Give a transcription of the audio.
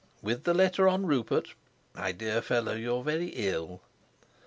"With the letter on Rupert? My dear fellow, you're very ill."